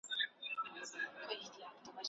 له پاملرنې مو مننه.